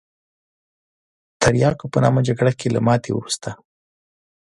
د تریاکو په نامه جګړه کې له ماتې وروسته.